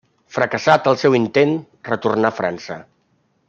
Fracassat el seu intent, retornà a França.